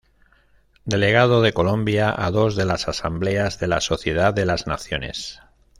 Delegado de Colombia a dos de las asambleas de la Sociedad de las Naciones.